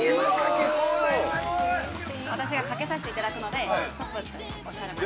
私がかけさせていただくのでストップとおっしゃるまで。